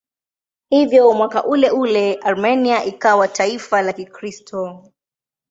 Hivyo mwaka uleule Armenia ikawa taifa la Kikristo.